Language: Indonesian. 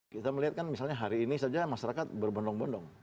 kita melihat kan misalnya hari ini saja masyarakat berbondong bondong